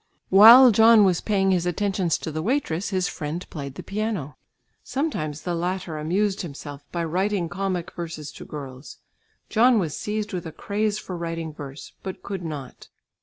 While John was paying his attentions to the waitress, his friend played the piano. Sometimes the latter amused himself by writing comic verses to girls. John was seized with a craze for writing verse but could not.